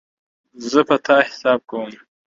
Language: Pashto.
زه په تا باندی حساب کوم